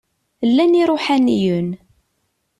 Llan iṛuḥaniyen.